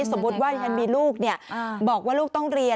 สมมติว่ายังมีลูกเนี่ยบอกว่าลูกต้องเรียน